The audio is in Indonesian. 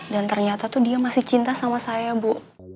dan ternyata tuh dia masih cinta sama saya bu